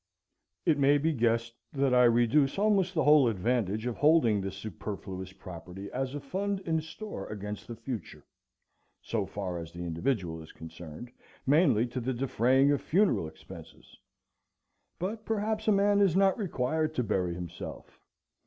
It may be guessed that I reduce almost the whole advantage of holding this superfluous property as a fund in store against the future, so far as the individual is concerned, mainly to the defraying of funeral expenses. But perhaps a man is not required to bury himself.